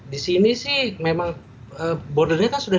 disini sih memang bordernya sudah